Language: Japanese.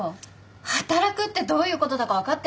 働くってどういうことだか分かってんの？